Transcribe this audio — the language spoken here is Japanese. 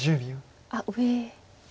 あっ上。